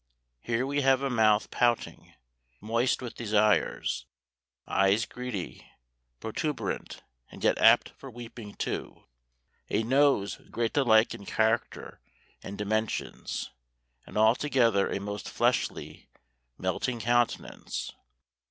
Here we have a mouth pouting, moist with desires; eyes greedy, protuberant, and yet apt for weeping too; a nose great alike in character and dimensions, and altogether a most fleshly, melting countenance.